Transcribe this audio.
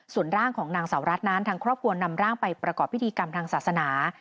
ส่วนร่างของนางสาวรัฐนั้นทางครอบครัวนำร่างไปประกอบพิธีกรรมทางศาสนา